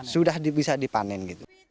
sudah bisa dipanen